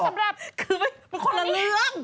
มันคนละเรื่อง